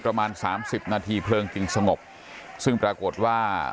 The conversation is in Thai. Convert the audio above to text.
ประมาณสามสิบนาทีเพลิงจึงสงบซึ่งปรากฏว่า